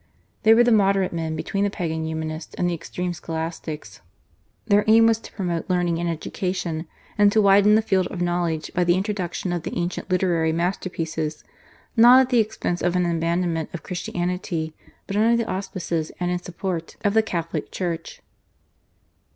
They were the moderate men between the Pagan Humanists and the extreme Scholastics. Their aim was to promote learning and education, and to widen the field of knowledge by the introduction of the ancient literary masterpieces, not at the expense of an abandonment of Christianity, but under the auspices and in support of the Catholic Church.